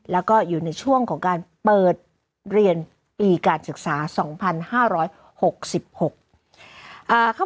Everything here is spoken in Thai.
แล้วก็อยู่ในช่วงของการเปิดเรียนปีการศึกษาสองพันห้าร้อยหกสิบหกอ่า